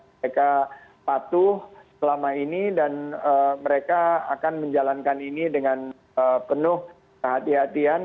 mereka patuh selama ini dan mereka akan menjalankan ini dengan penuh kehatian